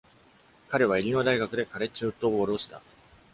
彼はイリノイ大学でカレッジ・フットボールをした。